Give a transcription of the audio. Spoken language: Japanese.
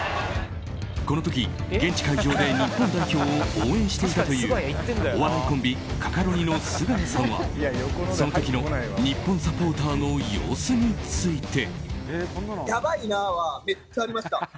この時、現地会場で日本代表を応援していたというお笑いコンビ、カカロニのすがやさんはその時の日本サポーターの様子について。